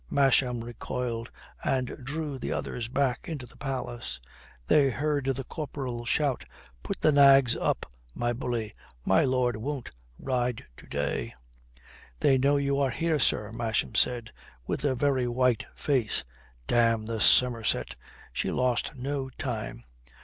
Masham recoiled and drew the others back into the palace. They heard the corporal shout: "Put the nags up, my bully. My lord won't ride to day." "They know you are here, sir," Masham said, with a very white face. "Damn the Somerset! She lost no time.